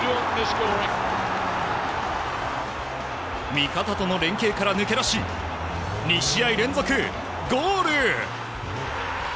味方との連携から抜け出し２試合連続ゴール。